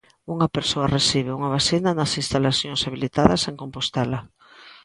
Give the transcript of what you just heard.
Unha persoa recibe unha vacina nas instalacións habilitadas en Compostela.